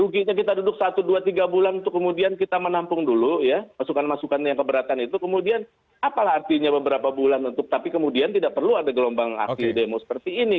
ruginya kita duduk satu dua tiga bulan untuk kemudian kita menampung dulu ya masukan masukan yang keberatan itu kemudian apalah artinya beberapa bulan untuk tapi kemudian tidak perlu ada gelombang aksi demo seperti ini